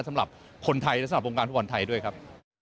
สำหรับคนไทยและสำหรับวงการฟุตบอลไทยด้วยครับ